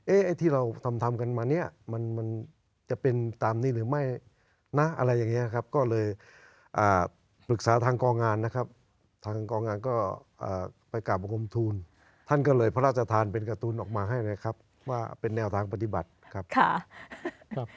ไอ้ที่เราทำทำกันมาเนี่ยมันจะเป็นตามนี้หรือไม่นะอะไรอย่างนี้ครับก็เลยปรึกษาทางกองงานนะครับทางกองงานก็ไปกราบบังคมทูลท่านก็เลยพระราชทานเป็นการ์ตูนออกมาให้นะครับว่าเป็นแนวทางปฏิบัติครับ